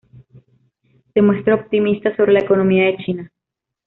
Se muestra optimista sobre la economía de China.